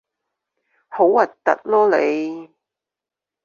好核突囉你